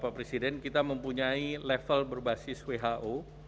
bapak presiden kita mempunyai level berbasis who